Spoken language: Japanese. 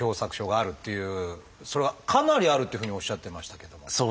それがかなりあるっていうふうにおっしゃってましたけども。